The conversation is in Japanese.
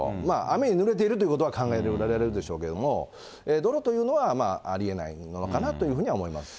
雨にぬれているということは考えられるでしょうけれども、泥というのはありえないのかなというふうには思います。